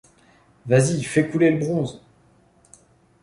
Vas-y, fais couler le bronze !